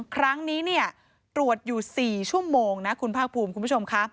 ครั้งนี้ตรวจอยู่๔ชั่วโมงนะคุณภาคภูมิคุณผู้ชมค่ะ